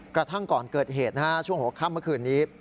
กระทั่งก่อนเกิดเหตุนะฮะช่วงหกคัมเมื่อคืนนี้